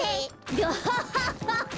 アハハハハ！